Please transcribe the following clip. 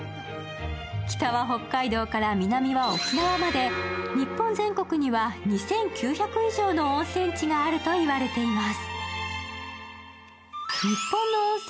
北は北海道から南は沖縄まで、日本全国には２９００以上の温泉地があるといわれています。